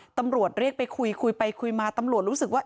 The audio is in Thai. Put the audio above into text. ตำรวจเรียกไปคุยคุยไปคุยมาตำรวจรู้สึกว่า